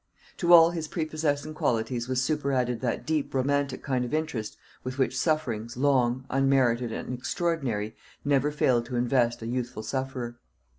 To all his prepossessing qualities was superadded that deep romantic kind of interest with which sufferings, long, unmerited, and extraordinary, never fail to invest a youthful sufferer.